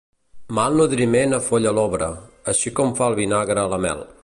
Mal nodriment afolla l'obra, així com fa el vinagre a la mel.